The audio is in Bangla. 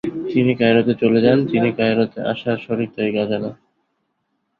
তিনি কায়রোতে চলে যান, কিন্তু কায়রোতে আসার সঠিক তারিখ অজানা।